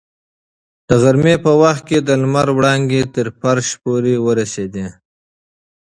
د غرمې په وخت کې د لمر وړانګې تر فرش پورې ورسېدې.